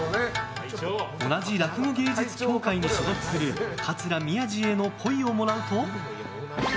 同じ落語芸術協会に所属する桂宮治への、っぽいをもらうと。